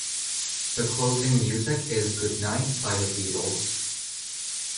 The closing music is "Good Night" by The Beatles.